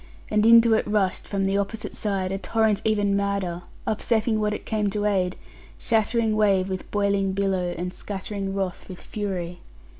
And into it rushed, from the opposite side, a torrent even madder; upsetting what it came to aid; shattering wave with boiling billow, and scattering wrath with fury.